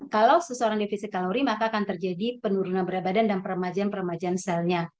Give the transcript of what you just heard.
kalau seseorang defisit kalori maka akan terjadi penurunan berat badan dan peremajaan peremajaan selnya